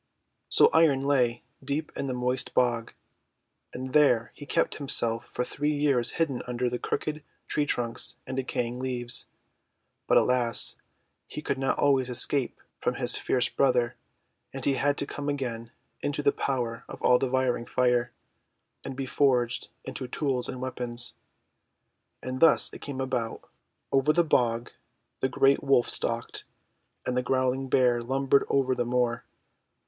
So Iron lay deep in the moist bog, and there he kept himself for three years hidden under crooked tree trunks and decaying leaves. But, alas! he could not always escape from his fierce brother, and he had to come again into the power of all devouring Fire, and be forged into tools and weapons. And thus it came about :— Over the bog the great WTolf stalked, and the growling Bear lumbered over the moor.